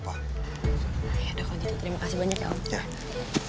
yaudah terima kasih banyak ya om